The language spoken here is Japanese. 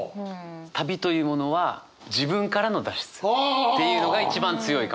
旅というものは自分からの脱出っていうのが一番強いかもしれない。